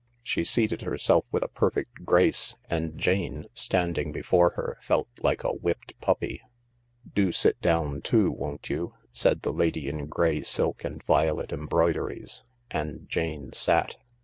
She seated herself with a perfect grace, and Jane, standing before her, felt like a whipped puppy. " Do sit down too, won't you ?" said the lady in grey silk and violet embroideries, and Jane sat.